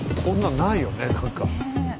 こんなんないよね何か。